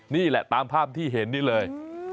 นี่แหละตามภาพที่เห็นนี่เลย